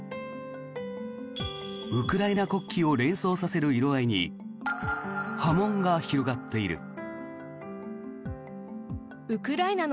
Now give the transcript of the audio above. ウクライナ国旗を連想させる色合いに波紋が広がっている。